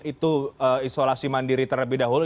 itu isolasi mandiri terlebih dahulu